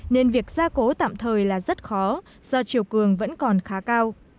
nên việc gia cố tạm thời là rất khó do chiều cường vẫn còn khá cao